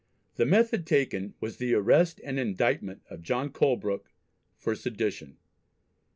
The "method taken" was the arrest and indictment of John Colebrooke for sedition.